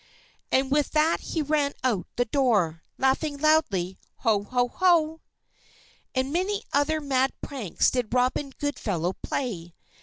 _" And with that he ran out of the door, laughing loudly, "Ho! Ho! Ho!" And many other mad pranks did Robin Goodfellow play.